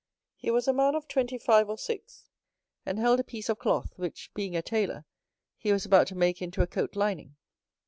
He was a man of twenty five or six, and held a piece of cloth, which, being a tailor, he was about to make into a coat lining.